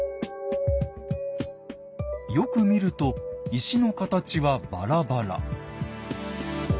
よく見ると石の形はバラバラ。